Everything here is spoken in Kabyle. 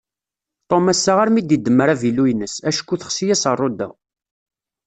Tom assa armi d-idemmer avilu-ines, acku texsi-yas rruḍa.